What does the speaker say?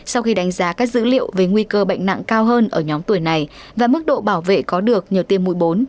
sau khi đánh giá các dữ liệu về nguy cơ bệnh nặng cao hơn ở nhóm tuổi này và mức độ bảo vệ có được nhờ tiêm mũi bốn